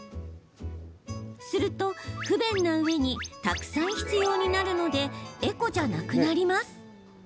すると、不便なうえにたくさん必要になるのでエコじゃなくなります。